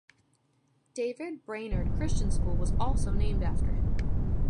David Brainerd Christian School was also named after him.